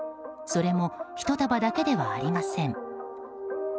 それもひと束だけではありません。